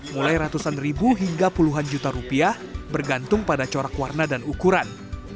mulai ratusan ribu hingga puluhan juta rupiah bergantung pada corak warna dan ukuran